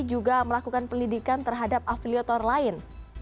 juga melakukan pelidikan terhadap afiliator lain